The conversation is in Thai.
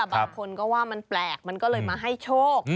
บางคนก็ว่ามันแปลกมันก็เลยมาให้โชค